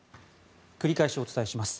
繰り返しお伝えします。